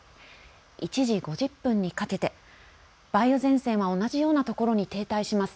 １時５０分にかけて梅雨前線は同じようなところに停滞します。